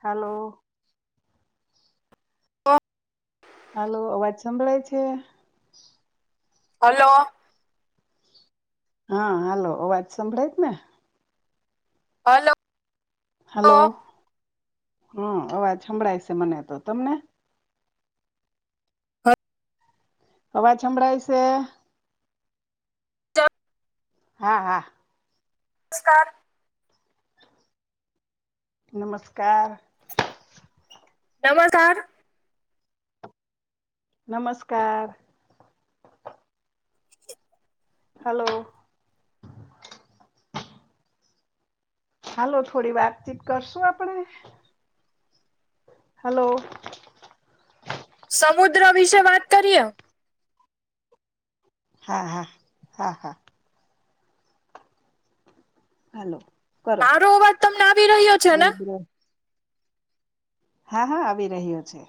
Hello. Hello, અવાજ સંભળાય છ? હલો હા હાલો અવાજ સંભળાય જ ને? હલો હલો હહ અવાજ હભળાય સે મને તો તમને? હ અવાજ હભળાય સે? [unintelligible] હા હા મસ્કાર નમસ્કાર નમસ્કાર નમસ્કાર હલો હાલો થોડી વાતચીત કરશું આપણેે? હલો સમુદ્ર વિશે વાત કરીએ. હા હા હા હા હાલો કરો મારો અવાજ તમને આવી રહ્યો છે ને સમુદ્ર હા હા આવી રહ્યો છે.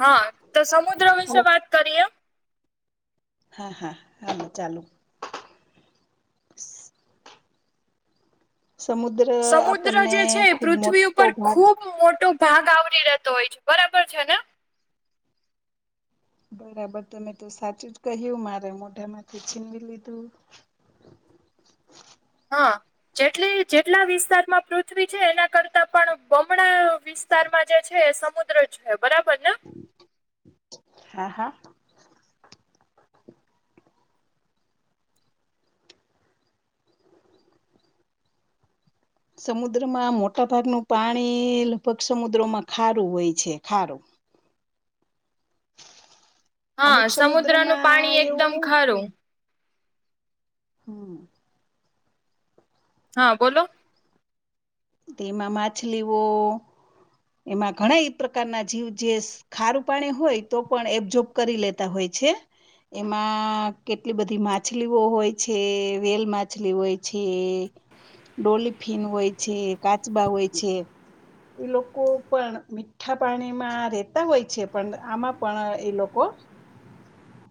હા તો સમુદ્ર હલો વિશે વાત કરીએ. હા હા હાલો ચાલુ [inaudible] સમુદ્ર સમુદ્ર આપણને જે છે ખુબ પૃથ્વી મોટો ઉપર ભાગ ખૂબ મોટો ભાગ આવરી રહેતો હોય છે બરાબર છે ને બરાબર તમે તો સાચું જ કહ્યું મારે મોઢા માંથી છીનવી લીધું. હા જેટલી જેટલા વિસ્તારમાં પૃથ્વી છે એના કરતા પણ બમણા વિસ્તારમાં જે છે એ સમુદ્ર છે. બરાબર ને હા હા સમુદ્રમાં મોટા ભાગનું પાણી લગભગ સમુદ્રમાં ખારું હોય છે ખારું અમુક હા સમુદ્રનું સમુદ્રમાં પાણી એવું એકદમ ખારું હમ્મ હા બોલો તેમાં માછલીઓ એમાં ઘણા એ પ્રકારના જીવ જે ખારું પાણી હોય તો પણ એબજોબ કરી લેતા હોય છે. એમાં કેટલી બધી માછલીઓ હોય છે, વેલ માછલી હોય છે. ડોલફિન હોય છે કાચબા હોય છે એ લોકો પણ મીઠા પાણીમાં રેતા હોય છે પણ આમાં પણ એ લોકો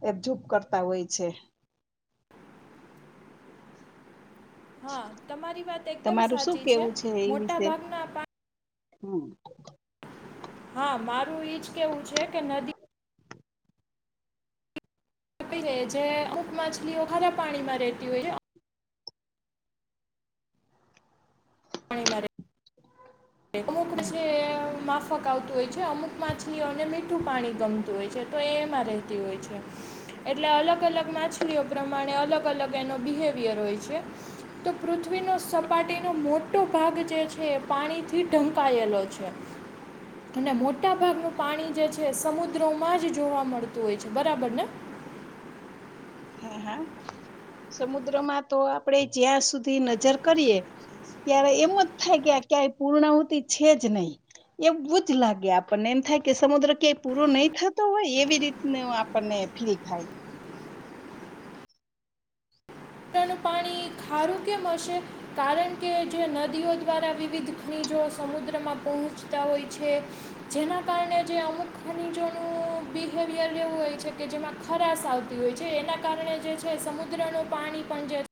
એપજૂપ કરતા હોય છે. હા તમારી વાત એકદમ તમારું શું સાચી છે મોટા ભાગના પા હમ્મ. હા મારું ઈજ કેવું છે કે નદી [unintelligible] અમુક માછલીઓ ખારા પાણીમાં રેતી હોય છે. પાણી મા રે [unintelligible] હમ. ફકાવતું હોય છે અમુક માછલીઓ અને મીઠું પાણી ગમતું હોય છે તો એમાં રહેતી હોય છે. એટલે અલગ અલગ માછલીઓ પ્રમાણે અલગ અલગ એનો બિહેવિયર હોય છે. તો પૃથ્વીનો સપાટીનો મોટો ભાગ જે છે પાણી થી ઢંકાયેલો છે. અને મોટા ભાગનું પાણી જે છે સમુદ્રમાં જ જોવા મળતું હોય છે બરાબર ને હમ હા સમુદ્રમાં તો આપણે જ્યાં સુધી નજર કરીએ ત્યારે એમ જ થાય કે ક્યારેય પૂર્ણાહતિ છે જ નહી. એવું જ લાગે આપણને એમ થાય કે સમુદ્ર ક્યાંય પૂરો નહી થતો હોય એવી રીત આપણને ફલી થાય. નું પાણી ખારું કેમ હશે કારણ કે જે નદી દ્વારા વિવિધ ખનીજો સમુદ્રમાં પહોંચતા હોય છે જેના કારણે જે અમુક ખનીજોનું બિહેવિયર લેવું હોય છે કે જેમાં ખરાશ આવતી હોય છે એના કારણે જે છે સમુદ્ર ન પાણી પણ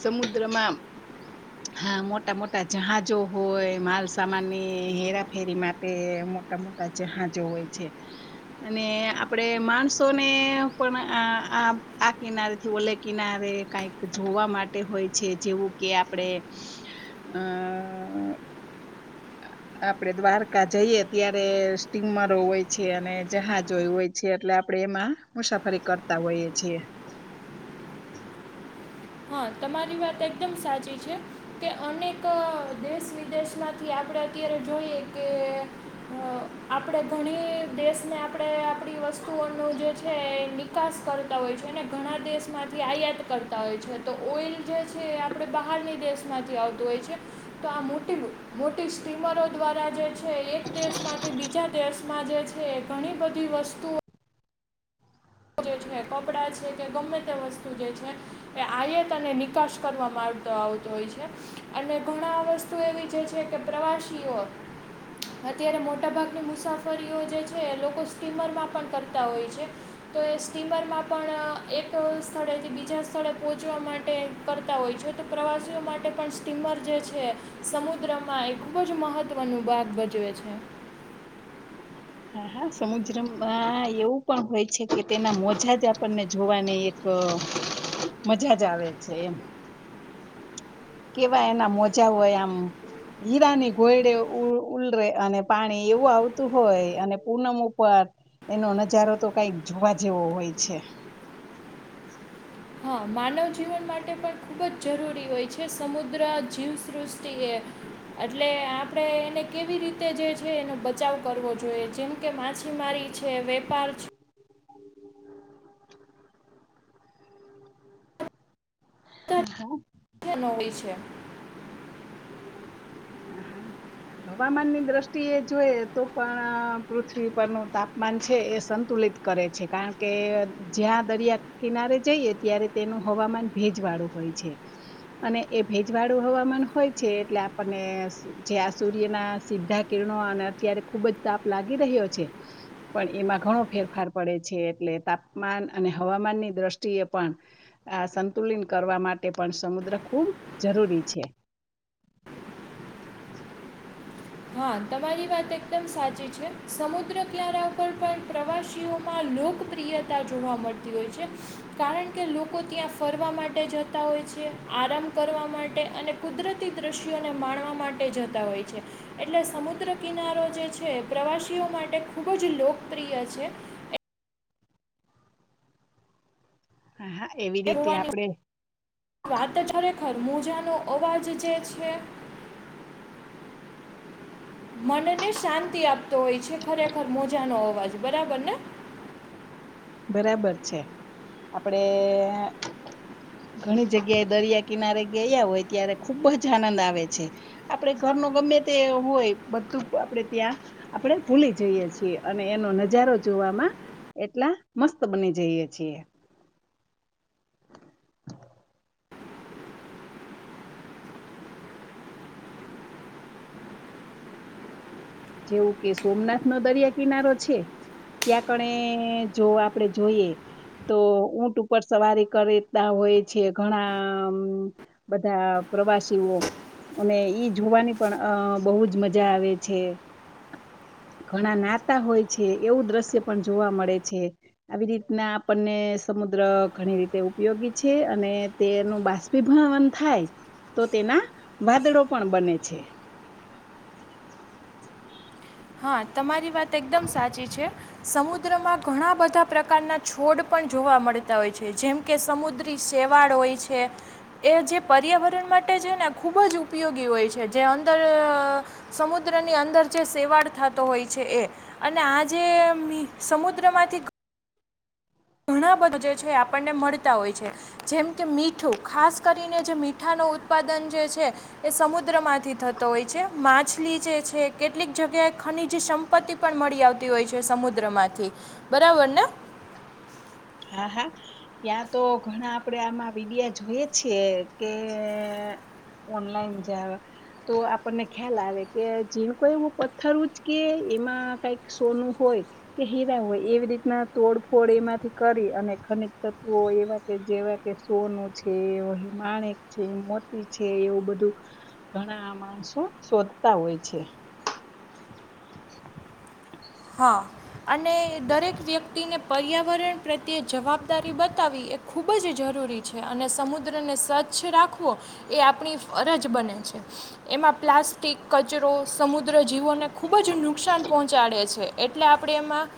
સમુદ્રમાંમ હા મોટા મોટા જહાજો હોય માલસામાન ની હેરાફેરી માટે મોટા મોટા જહાજો હોય છે. અને આપડે માણસોને પણ આ આ આ કિનારે થી ઓલે કિનારે કાઈ જોવા માટે હોય છે જેવું કે આપણે અ આપડે દ્વારકા જઈએ ત્યારે સ્ટીમરો હોય છે અને જહાજો હોય છે એટલે આપણે એમાં મુસાફરી કરતા હોઈએ છીએ હા તમારી વાત એકદમ સાચી છે કે અનેક દેશ વિદેશમાંથી આપણે આપણે અત્યારે જોઈએ કે આપણે ઘણી દેશને આપણે આપણી વસ્તુઓનું જે છે નિકાસ કરતા હોય છે અને ઘણા દેશ માંથી આયાત કરતા હોય છે તો ઓઇલ જે છે એ આપણે બહારની દેશમાંથી આવતું હોય છે તો આ મોટી મોટી સ્ટીમરો દ્વારા જે છે એક દેશમાંથી બીજા દેશમાં જે છે ઘણી બધી વસ્તુઓ જે છે કપડા છે કે ગમે તે વસ્તુ જે છે એ આયાત અને નિકાસ કરવામાં આવ આવતો હોય છે અને ઘણા વસ્તુ એવી છે છે કે પ્રવાસીઓ અત્યારે મોટાભાગની મુસાફરીઓ જે છે એ લોકો સ્ટીમરમાં પણ કરતા હોય છે તો એ સ્ટીમરમાં પણ એક સ્થળેથી બીજા સ્થળે પહોંચવા માટે કરતા હોય છે છ તો પ્રવાસીઓ માટે પણ સ્ટીમર જે છે સમુદ્રમાં એ ખૂબ જ મહત્વનું ભાગ ભજવે છે [inaudible] હા હા સમુદ્રમાં એવું પણ હોય છે કે તેના મોજા જ આપણને જોવા ન તો મજા જ આવે છે એમ કેવા એના મોજા હોય આમ હીરાની ઘોયડે ઉલરે અને પાણી એવું આવતું હોય અને પૂનમ ઉપર એનો નજારો તો કઈક જોવા જેવો હોય છે હ હા માનવ જીવન માટે પણ ખૂબ જ જરૂરી હોય છે સમુદ્ર જીવસૃષ્ટિએ એટલે આપડે એને કેવી રીતે જે છે એનો બચાવ કરવો જોઈએ જેમ કે માછીમા મારી છે વેપાર હા બધા હા જ હોય છે. હા હા હવામાનની દ્રષ્ટિએ જોઈ તો પણ અહહ પૃથ્વી પરરનું તાપમાન છે એ સંતુલિત કરે છે કારણ કે જ્યાં દરિયા કિનારે જઈએ ત્યારે તેનું હવામાન ભેજવાળું હોય છે અને એ ભેજવાળું હવામાન હોય છે એટલે આપણને જે આ સૂર્યના સીધા કિરણો અને અત્યારે ખુબ જ તાપ લાગે [unintelligible] છે. પણ એમાં ઘણો ફેરફાર પડે છે એટલે તાપમાન અને હવામાનની દ્રષ્ટિએ પણ આ સંતુલન કરવા માટે પણ સમુદ્ર ખૂબ જરૂરી છે. હા તમારી વાત એકદમ સાચી છે સમુદ્ર [unintelligible] ઉપર પણ પ્રવાસીઓ માલ લોકપ્રિયતા જોવા મળતી હોય છે કારણ કે લોકો ત્યાં ફરવા માટે જતા હોય છે. આરામ કરવા માટે અને કુદરતી દ્રશ્યોને માણવા માટે જતા હોય છે. એટલે સમુદ્ર કિનારો જે છે પ્રવાસીઓ માટે ખૂબ જ લોકપ્રિય છે. [inaudible] હા હા એવી રીતે વાની આપડે વાત ખરેખર મોજાનો અવાજ જે છે. [inaudible] મનને શાંતિ આપતો હોય છે ખરેખર મોજાનો અવાજ બરાબર ને બરાબર છે આપડે ઘણી જગ્યાએ દરિયા કિનારે ગયા હોય ત્યારે ખુબ જ આનંદ આવે છે આપડે ઘ એમાં ગમે તે હોય બધું આપે ત્યાં આપણે ભૂલી જઈએ છીએ અને એનો નજારો જોવામાં એટલા મસ્ત બની જઈએ છીએ જેવું કે સોમનાથ નો દરિયા કિનારો છે. ક્યાં કણે જો આપડે જોઈએ તો ઊંટ ઉપર સવારી કરે કરતા હોય છે ઘણામ બધા પ્રવાસીઓ અને ઈ જોવાની પણ અહહ બહુ જ મજા આવે છે. [inaudible] [inaudible] ઘણા નાતા હોય છે એવું દ્રશ્ય પણ જોવા મળે છે આવી રીતના આપણને સમુદ્ર ઘણી રીતે ઉપયોગી છે અને તેનું બાષ્પીભવન થાય તો તેના વાદળો પણ બને છે. [inaudible] [inaudible] હા તમારી વાત એકદમ સાચી છે સમુદ્રમાં ઘણા બધા પ્રકારના છોડ પણ જો જોવા મળતા હોય છે જેમ કે સમુદ્રી શેવાળ હોય છે એ જે પર્યાવરણ માટે ને ખુબ જ ઉપયોગી હોય છે જે અંદર‌ અ સમુદ્ર ની અંદર જે સેવાડ થતો હોય છે એ અને આ જે સમુદ્રમાંથી ઘણા બધા જે છે આપણને મળતા હોય છે જેમ કે મીઠું ખાસ કરીને જે મીઠાનો ઉત્પાદન જે છે એ સમુદ્રમાંથી થતો હોય છે માછલી જે છે કેટલીક જગ્યાએ ની જે સંપત્તિ પણ મળી આવતી હોય છે સમુદ્ર માંથી બરાબર ને [inaudible] [inaudible] હા હા ત્યાં તો ઘણા આપડે આમાં વિડિયા જોઈએ છીએ કે ઓનલાઈન જ તો આપણને ખ્યાલ આવે કે જેન કો એવું પથ્થર ઉચકે એમાં કઈક સોનું હોય કે હીરા હોય એવી રીતના તોડફોડ એમાંથી કરી અને ખનજ તત્વો એવા કે જેવા કે સોનું છે માણેક છે. એવું બધું ઘણા માણસો શોધતા હોય છે. [inaudible] [inaudible] હા અને દરેક વ્યક્તિને પર્યાવરણ પ્રત્યે જવાબદારી બતાવી એ ખૂબ જ જરૂરી જરુરી છે અને સમુદ્રને સ્વચ્છ રાખવો એ આપણી ફરજ બને છે એમાં પ્લાસ્ટિક કચરો સમુદ્ર જીવોને ખૂબજ નુકસાન પહોંચાડે છે એટલે આપણે એમાં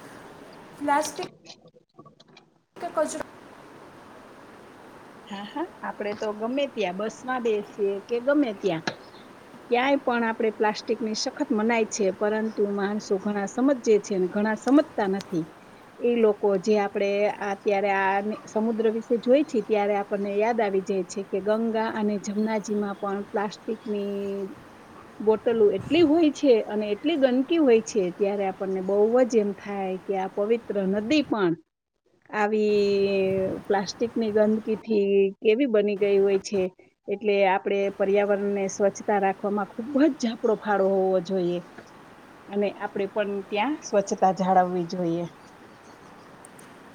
પ્લાસ્ટિક તે કચરો હા હા આપડે તો ગમે ત્યાં બસમાં બેસી કે ગમે ત્યાં ક્યાંય પણ આપણે પ્લાસ્ટિકની સખત મનાય છે પરંતુ માણસો ઘણા સમજે છે ઘણા સમજતા નથી એ લોકો જે આપડે અત્યારે આ સમુદ્ર વિશે જોય છે ત્યારે આપણને યાદ આવી જાય છે કે ગંગા અને જમનાજી માં પણ પ્લાસ્ટિકની બોટલુ એટલી હોય છે અને એટલી ગંદકી હોય છે ત્યારે આપણને બહુ જ એમ થાય કે આ પવિત્ર નદી પણ આવી પ્લાસ્ટિકની ગંદ થી કેવી બની ગઈ હોય છે એટલે આપડે પર્યાવરણને સ્વચ્છતા રાખવામાં ખુબજ ઝપડો ફાડવો હોવો જોઈએ અને આપણેે પણ ત્યાં સ્વચ્છતા જાળવવી જોઈએ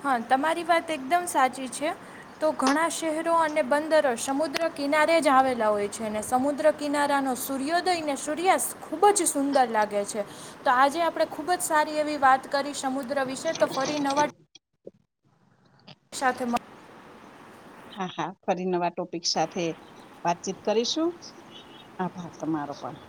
હા તમારી વાત એકદમ સાચી છે તો ઘણા શહેરો અને બંદરો સમુદ્ર કિનારે જ આવેલા હોય છે અનેને સમુદ્ર કિનારા ન સૂર્યોદય ને સૂર્યાસ્ત ખુબ જ સુંદર લાગ લાગે છે તો આજે આપણે ખુબજ સારી એવી વાત કરી સમુદ્ર વિશે તો ફરી નવા સાથેમાં હા હા ફરી નવા ટોપિક સાથે વાતચીત કરીશું આભાર તમારે પણણ